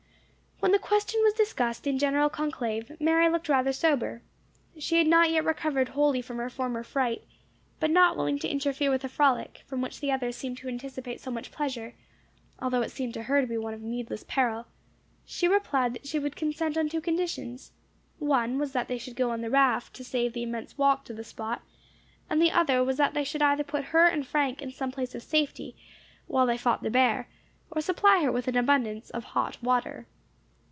When the question was discussed in general conclave, Mary looked rather sober. She had not yet recovered wholly from her former fright; but not willing to interfere with a frolic, from which the others seemed to anticipate so much pleasure, although it seemed to her to be one of needless peril, she replied that she would consent on two conditions one was that they should go on the raft, to save the immense walk to the spot, and the other was that they should either put her and Frank in some place of safety while they fought the bear, or supply her with an abundance of hot water.